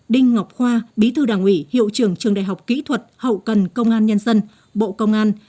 đinh ngọc khoa bí thư đảng ủy hiệu trưởng trường đại học kỹ thuật hậu cần công an nhân dân bộ công an